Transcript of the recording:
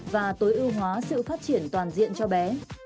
và tối ưu hóa sự phát triển toàn diện cho bé